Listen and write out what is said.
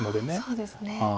そうですね。